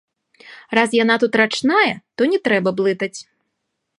Раз яна тут рачная, то не трэба блытаць.